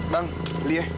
bang beli ya